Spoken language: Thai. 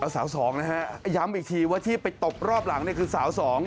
สาวสองนะฮะย้ำอีกทีว่าที่ไปตบรอบหลังเนี่ยคือสาวสอง